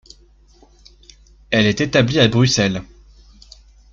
Elle est établie à Bruxelles.